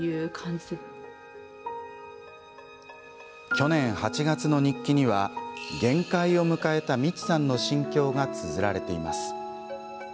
去年８月の日記には限界を迎えた、みちさんの心境がつづられています。